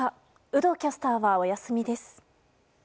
有働キャスターはお休みです。